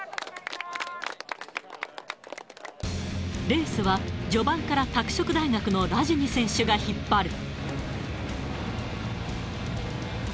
レースは、序盤から拓殖大学のラジニ選手が引っ張る。